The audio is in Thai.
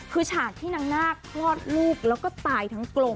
คือฉากที่นางนาคคลอดลูกแล้วก็ตายทั้งกลม